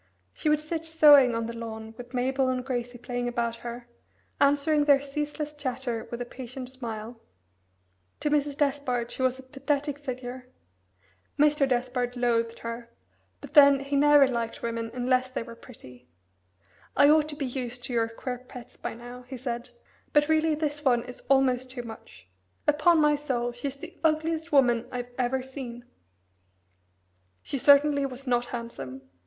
She would sit sewing on the lawn with Mabel and Gracie playing about her, answering their ceaseless chatter with a patient smile. To Mrs. Despard she was a pathetic figure. Mr. Despard loathed her, but then he never liked women unless they were pretty. "I ought to be used to your queer pets by now," he said; "but really this one is almost too much. Upon my soul, she's the ugliest woman I've ever seen." She certainty was not handsome.